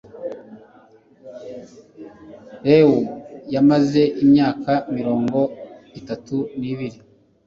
rewu yamaze imyaka mirongo itatu n ibiri